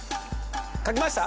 書きました？